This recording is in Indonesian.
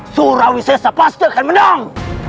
surawi sesa pasti akan menang